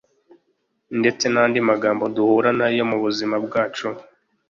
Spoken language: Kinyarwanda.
ndetse n’andi magambo duhura na yo mu buzima bwacu